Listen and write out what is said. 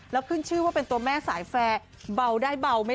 แล้วขึ้นชื่อว่าจะเมร์สายแฟร์แบลใช่ใช่